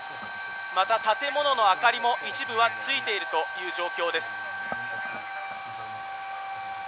また建物の明かりも一部はついているという状況です。